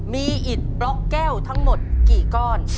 มีอิดบล็อกแก้วทั้งหมดกี่ก้อน